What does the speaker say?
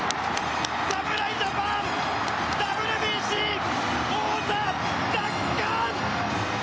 侍ジャパン、ＷＢＣ王座奪還！